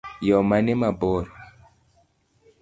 Yoo mane mabor?